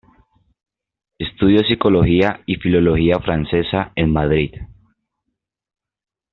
Estudió Psicología y Filología francesa en Madrid.